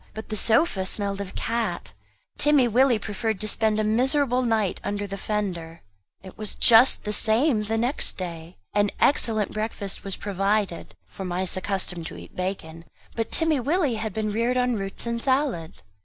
But the sofa smelt of cat. Timmy Willie preferred to spend a miserable night under the fender. It was just the same next day. An excellent breakfast was provided for mice accustomed to eat bacon; but Timmy Willie had been reared on roots and salad.